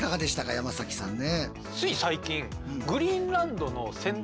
山崎さんね。